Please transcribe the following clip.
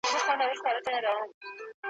بس تیندکونه خورمه `